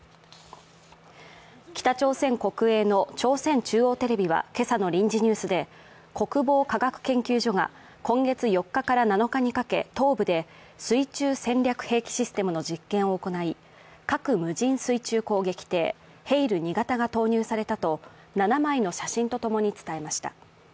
北朝鮮国営の朝鮮中央テレビは、今朝の臨時ニュースで、国防科学研究所が今月４日から７日にかけ東部で水中戦略兵器システムの実験を行い核無人水中攻撃艇ヘイル２型が投入されたと７枚の写真と共に伝えました。